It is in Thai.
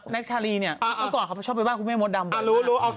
แน็กชาลีเนี่ยตอนก่อนเขาชอบไปบ้านคุณแม่มดดำบ่อยนะ